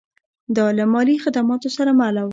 دا له مالي خدماتو سره مل و